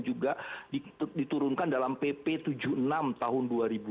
juga diturunkan dalam pp tujuh puluh enam tahun dua ribu dua puluh